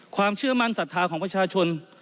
ความเชื่อมั่นศรัทธาของประชาชน